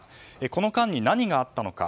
この間に何があったのか。